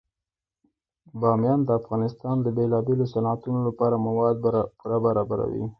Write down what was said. بامیان د افغانستان د بیلابیلو صنعتونو لپاره مواد پوره برابروي.